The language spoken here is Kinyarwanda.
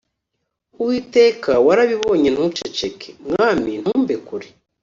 Uwiteka, warabibonye ntuceceke, mwami ntumbe kure